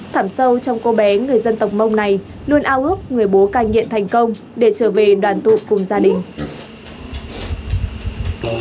thảm sâu trong cô bé người dân tộc mông này luôn ao ước người bố cai nghiện thành công để trở về đoàn tụ cùng gia đình